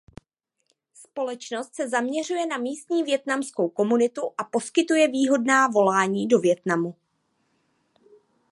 Společnost se zaměřuje na místní vietnamskou komunitu a poskytuje výhodná volání do Vietnamu.